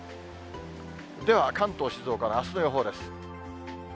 では、関東、静岡のあすの予報です。